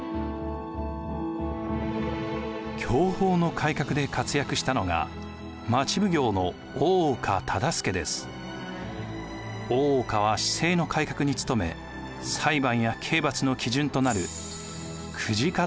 享保の改革で活躍したのが大岡は市政の改革に努め裁判や刑罰の基準となる公事方